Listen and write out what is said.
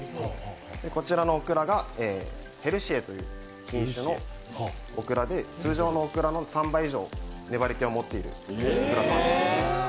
こちらのオクラがヘルシエという品種のオクラで通常のオクラの３倍以上、粘り気を持ってるオクラです。